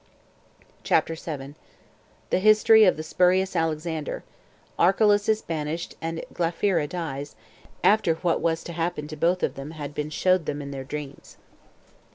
CHAPTER 7. The History Of The Spurious Alexander. Archelaus Is Banished And Glaphyra Dies, After What Was To Happen To Both Of Them Had Been Showed Them In Dreams.